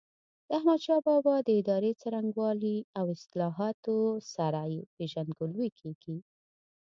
د احمدشاه بابا د ادارې څرنګوالي او اصلاحاتو سره یې پيژندګلوي کېږي.